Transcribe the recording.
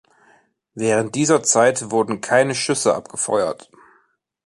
Während dieser Zeit wurden keine Schüsse abgefeuert.